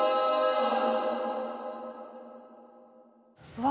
うわ。